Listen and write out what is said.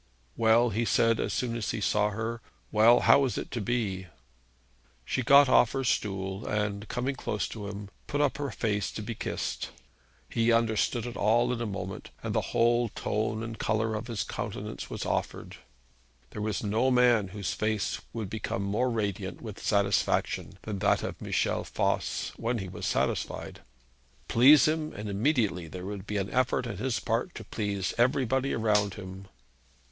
'Well,' he said, as soon as he saw her, 'well, how is it to be?' She got off her stool, and coming close to him put up her face to be kissed. He understood it all in a moment, and the whole tone and colour of his countenance was altered. There was no man whose face would become more radiant with satisfaction than that of Michel Voss when he was satisfied. Please him and immediately there would be an effort on his part to please everybody around him.